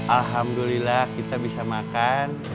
alhamdulillah kita bisa makan